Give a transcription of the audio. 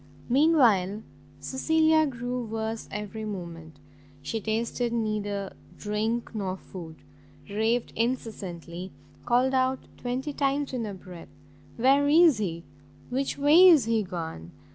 Meanwhile Cecilia grew worse every moment, tasted neither drink nor food, raved incessantly, called out twenty times in a breath, "Where is he? which way is he gone?"